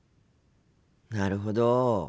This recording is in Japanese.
なるほど。